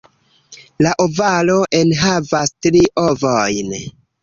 La ovaro enhavas tri ovojn.